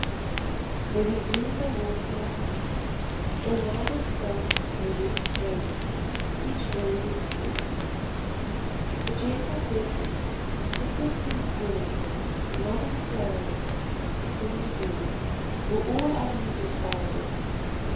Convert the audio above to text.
They resumed their walk to the house. Though neither spoke, they went slowly, each buried in thought. The gentle zephyrs, the frisking squirrels, the nodding flowers, the singing birds, were all unheeded by them.